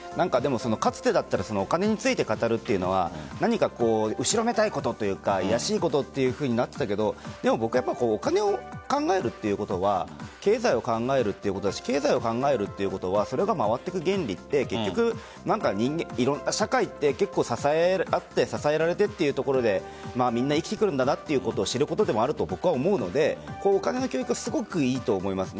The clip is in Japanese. かつてだったらお金について語るというのは何か後ろめたいことというか卑しいことというふうになっていたけどやっぱりお金を考えるということは経済を考えるということだし経済を考えることはそれが回っていく原理で結局、社会って結構、支え合って支えられてというところでみんな生きてくるんだなということを知ることでもあると思うのでお金の教育すごくいいと思います。